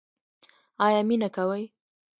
ایا مینه کوئ؟